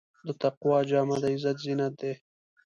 د تقوی جامه د عزت زینت دی.